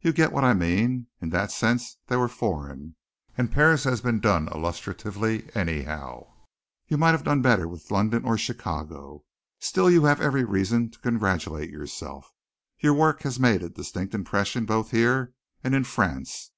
You get what I mean. In that sense they were foreign, and Paris has been done illustratively anyhow. You might have done better with London or Chicago. Still you have every reason to congratulate yourself. Your work made a distinct impression both here and in France.